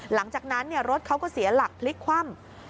หลังจากนั้นรถเขาก็เสียหลักพลิกคว่ำ